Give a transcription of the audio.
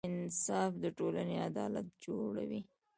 انصاف د ټولنې عدالت جوړوي.